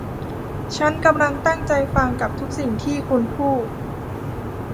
ฉันกำลังตั้งใจฟังกับทุกสิ่งที่คุณพูด